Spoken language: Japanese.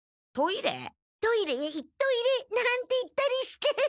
「トイレへ行っといれ」なんて言ったりして。